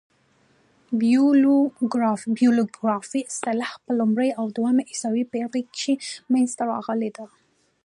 بیبلوګرافي اصطلاح په لومړۍ او دوهمه عیسوي پېړۍ کښي منځ ته راغلې ده.